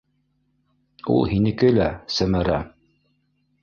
Ул һинеке лә, Сәмәрә!